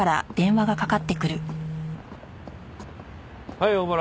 はい小原。